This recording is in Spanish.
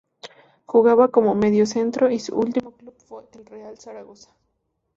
Jugaba como mediocentro y su último club fue el Real Zaragoza.